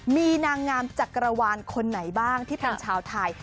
มีนางงามจักรวาลคนไหนบ้างที่เป็นชาวไทย